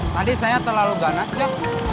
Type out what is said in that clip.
tadi saya terlalu ganas dok